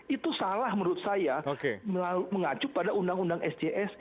itu salah menurut saya mengacu pada undang undang sjs